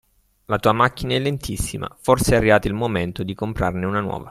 La tua macchina è lentissima, forse è arrivato il momento di comprarne una nuova.